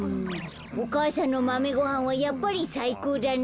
お母さんのマメごはんはやっぱりさいこうだね。